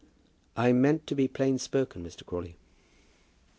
"I meant to be plain spoken, Mr. Crawley."